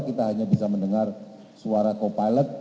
kita hanya bisa mendengar suara co pilot